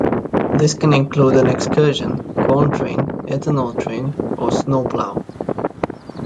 This can include an excursion, corn train, ethanol train, or snow plow.